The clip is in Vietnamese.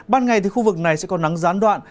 ban ngày thì khu vực này sẽ có nắng gián đoạn